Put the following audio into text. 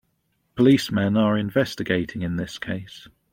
Policemen are investigating in this case.